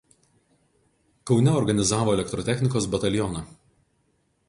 Kaune organizavo elektrotechnikos batalioną.